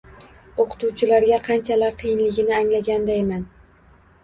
O‘qituvchilarga qanchalar qiyinligini anglagandayman.